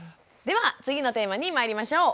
では次のテーマにまいりましょう。